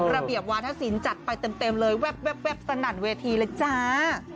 ระเบียบวาธศิลปจัดไปเต็มเลยแว๊บสนั่นเวทีเลยจ้า